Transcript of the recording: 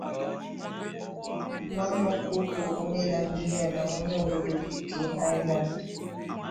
Nwanoku bụ onye Naijiria na onye obodo bekee Ireland.